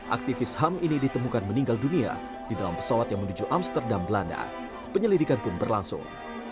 aktivis ham ini ditemukan meninggal dunia di dalam pesawat yang menuju amsterdam belanda penyelidikan pun berlangsung